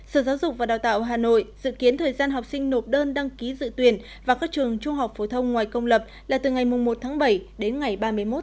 sở giáo dục và đào tạo hà nội dự kiến thời gian học sinh nộp đơn đăng ký dự tuyển vào các trường trung học phổ thông ngoài công lập là từ ngày một tháng bảy đến ngày ba mươi một